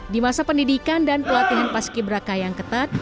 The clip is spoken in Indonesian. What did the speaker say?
di masa pendidikan dan pelatihan paski beraka yang ketat